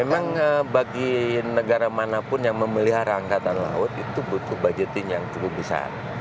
memang bagi negara manapun yang memelihara angkatan laut itu butuh budgeting yang cukup besar